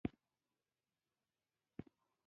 ځمکوالو سخت مقاومت کړی وای.